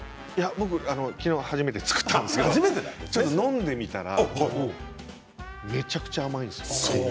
昨日、初めて作ったんですけれども飲んでみたらめちゃくちゃ甘いですね。